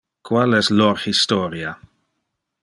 Qual es lor historia?